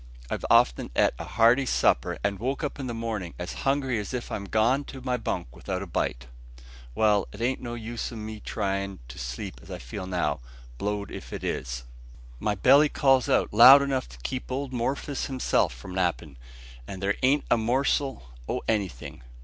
I've often ate a hearty supper, and woke up in the mornin' as hungry as if I'm gone to my bunk without a bite. Well, it an't no use o' me tryin' to sleep as I feel now, blow'd if it is! My belly calls out loud enough to keep old Morphis himself from nappin', and there an't a morsel o' anything.